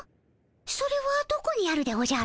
それはどこにあるでおじゃる？